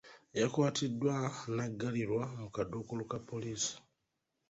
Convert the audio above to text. Yakwatiddwa n'aggalirwa mu kaduukulu ka poliisi.